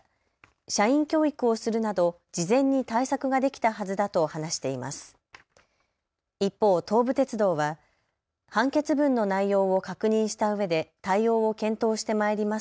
社員教育をするなど事前に対策ができたはずだと話しています。